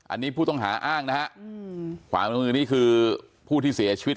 อันนี้ผู้ต้องหาอ้างนะฮะความร่วมมือนี่คือผู้ที่เสียชีวิต